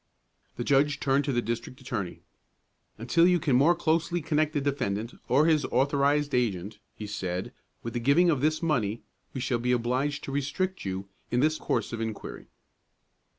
The judge turned to the district attorney. "Until you can more closely connect the defendant or his authorized agent," he said, "with the giving of this money, we shall be obliged to restrict you in this course of inquiry."